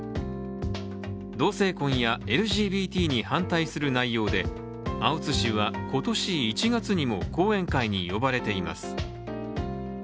同性婚やＬＧＢＴに反対する内容で青津氏は今年１月にも講演会に呼ばれています。